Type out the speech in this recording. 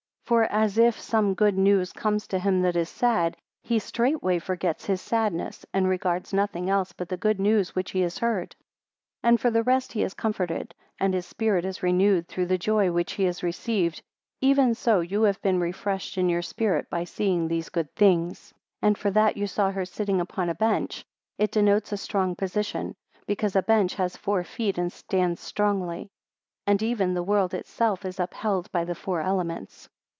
129 For, as if some good news comes to him that is sad, he straightway forgets his sadness, and regards nothing else but the good news which he has heard; and for the rest he is comforted, and his spirit is renewed through the joy which he has received even so you have been refreshed in your spirit by seeing these good things. 130 And for that you saw her sitting upon a bench, it denotes a strong position; because a bench has four feet, and stands strongly. And even the world itself is upheld by the four elements.